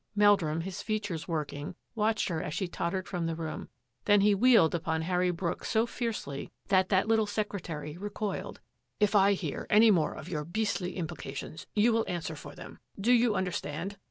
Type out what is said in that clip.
Meldrum, his features working, watched her as she tottered from the room. Then he wheeled upon Harry Brooks so fiercely that the little secretary recoiled. " If I hear more of your beastly implications, you will answer for them. Do you understand?